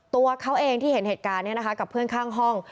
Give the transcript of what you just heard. ตัวเขาเองที่เห็นเหตุการณ์กับเพื่อนข้างห้อง